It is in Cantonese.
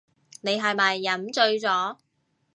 你係咪飲醉咗